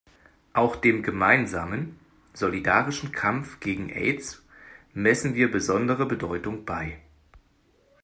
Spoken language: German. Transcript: Auch dem gemeinsamen, solidarischen Kampf gegen Aids messen wir besondere Bedeutung bei.